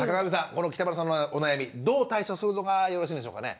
この北村さんのお悩みどう対処するのがよろしいんでしょうかね？